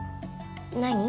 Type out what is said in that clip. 何？